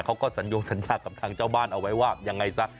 เขาก็สัญญงสัญญากับทางเจ้าบ้านเอาไว้ว่ายังไงซะ